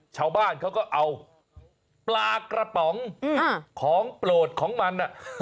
ชาวบ้านเขาก็เอาปลากระป๋องของโปรดของมัน